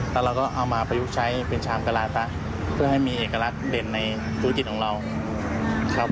แล้วเราก็เอามาประยุกต์ใช้เป็นชามกะลาซะเพื่อให้มีเอกลักษณ์เด่นในธุรกิจของเราครับ